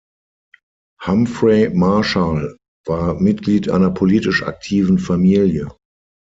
Humphrey Marshall war Mitglied einer politisch aktiven Familie.